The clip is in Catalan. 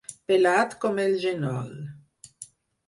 Pelat com el genoll.